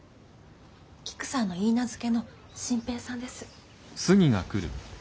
キクさんの許嫁の心平さんです。